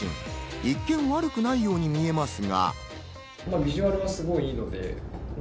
一見、悪くないようには見えますが。